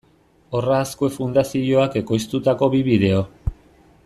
Horra Azkue Fundazioak ekoiztutako bi bideo.